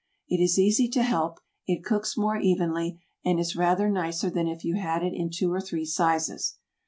It is easy to help, it cooks more evenly, and is rather nicer than if you had it in two or three sizes.